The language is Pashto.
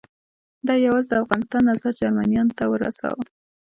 ده یوازې د افغانستان نظر جرمنیانو ته ورساوه.